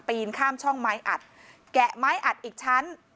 ข้ามช่องไม้อัดแกะไม้อัดอีกชั้น